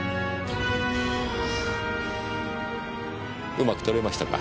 うまく撮れましたか？